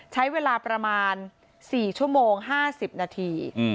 ใช้เวลาประมาณ๔ชั่วโมง๕๐นาที